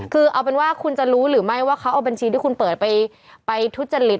คือเอาเป็นว่าคุณจะรู้หรือไม่ว่าเขาเอาบัญชีที่คุณเปิดไปทุจริต